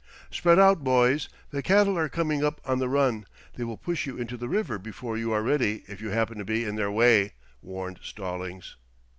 "Spread out, boys. The cattle are coming up on the run. They will push you into the river before you are ready if you happen to be in their way," warned Stallings.